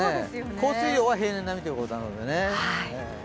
降水量は平年並みということなのでね。